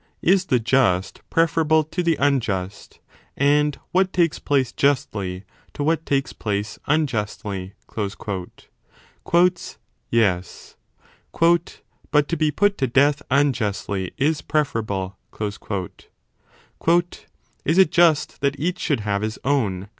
Is the just preferable to the unjust, and what takes place justly to what takes place unjustly ? 1 Yes. But to be put to death unjustly is preferable. Is it just that each should have his own